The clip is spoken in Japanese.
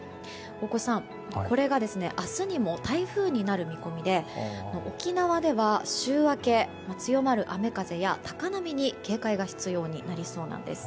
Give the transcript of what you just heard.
大越さん、これが明日にも台風になる見込みで沖縄では、週明け強まる雨風や高波に警戒が必要になりそうなんです。